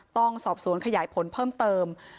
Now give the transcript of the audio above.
ต้องสอบสวนขยายผลเพิ่มเติม